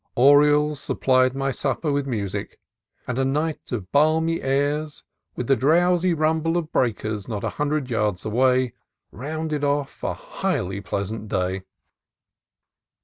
Orioles supplied my supper with music ; and a night of balmy airs, with the drowsy rumble of breakers not a hundred yards away, rounded off a highly pleasant day.